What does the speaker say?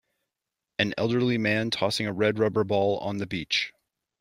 An elderly man tossing a red rubber ball on the beach.